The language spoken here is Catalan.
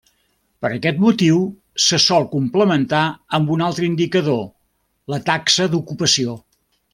Per aquest motiu, se sol complementar amb un altre indicador, la taxa d'ocupació.